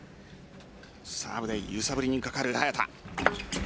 サーブで揺さぶりにかかる早田。